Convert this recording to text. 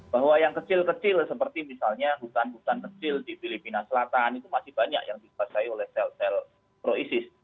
bahwa yang kecil kecil seperti misalnya hutan hutan kecil di filipina selatan itu masih banyak yang dikuasai oleh sel sel pro isis